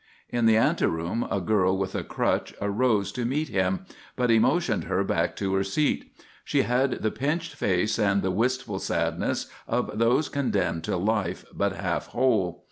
In the ante room a girl with a crutch arose to meet him, but he motioned her back to her seat. She had the pinched face and the wistful sadness of those condemned to life but half whole.